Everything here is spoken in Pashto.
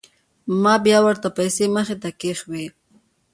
ما بيا ورته پيسې مخې ته کښېښووې.